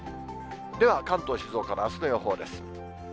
では、関東、静岡のあすの予報です。